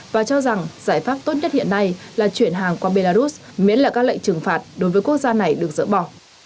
và cho rằng giải pháp tốt nhất hiện nay là chuyển hàng qua belarus miễn là các lệnh trừng phạt đối với quốc gia này được dỡ bỏ